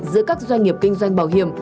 giữa các doanh nghiệp kinh doanh bảo hiểm